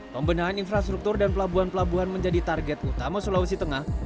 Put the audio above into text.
pembenahan infrastruktur dan pelabuhan pelabuhan menjadi target utama sulawesi tengah